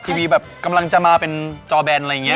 ทีวีแบบกำลังจะมาเป็นจอแบนอะไรอย่างนี้